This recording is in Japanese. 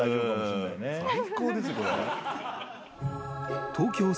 最高ですこれ。